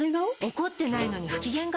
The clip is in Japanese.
怒ってないのに不機嫌顔？